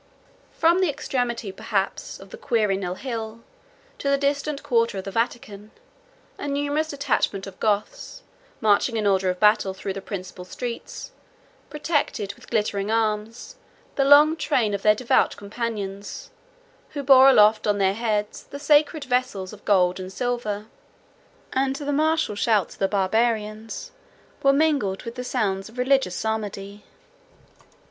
From the extremity, perhaps, of the Quirinal hill, to the distant quarter of the Vatican, a numerous detachment of Goths, marching in order of battle through the principal streets, protected, with glittering arms, the long train of their devout companions, who bore aloft, on their heads, the sacred vessels of gold and silver; and the martial shouts of the Barbarians were mingled with the sound of religious psalmody.